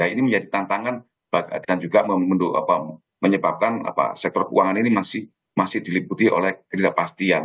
ini menjadi tantangan dan juga menyebabkan sektor keuangan ini masih diliputi oleh ketidakpastian